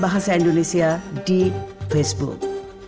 bahasa indonesia di facebook